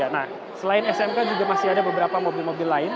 nah selain smk juga masih ada beberapa mobil mobil lain